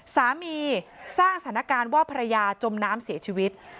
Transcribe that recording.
สามีสร้างสถานการณ์ว่าภรรยาจมน้ำเสียชีวิต